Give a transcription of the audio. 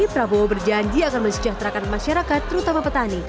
prabowo berjanji akan mensejahterakan masyarakat terutama petani